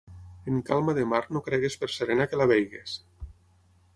En calma de mar no cregues per serena que la vegis.